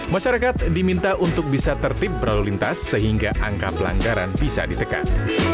masyarakat diminta untuk bisa tertib berlalu lintas sehingga angka pelanggaran bisa ditekan